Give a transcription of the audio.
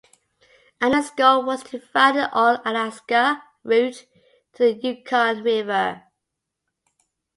Allen's goal was to find an all-Alaska route to the Yukon River.